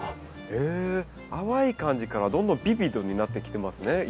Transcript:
え淡い感じからどんどんビビッドになってきてますね。